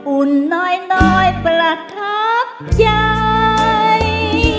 อุ่นน้อยประทับใจ